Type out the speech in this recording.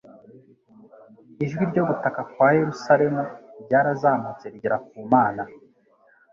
ijwi ryo gutaka kwa Yerusalemu ryarazamutse rigera ku mana